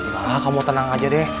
kamu tenang aja deh